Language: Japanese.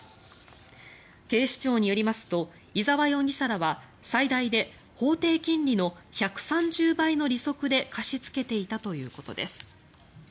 警視庁によりますと居澤容疑者らは最大で法定金利の１３０倍の利息で貸し付けていたということです。